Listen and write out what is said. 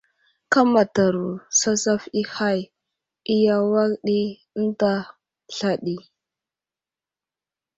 Kámataro sasaf i hay i awak ɗi ənta sla ɗi.